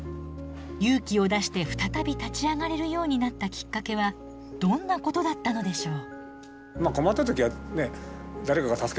勇気を出して再び立ち上がれるようになったきっかけはどんなことだったのでしょう？